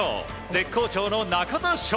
絶好調の中田翔。